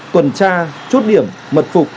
tuần tra chốt điểm mật phục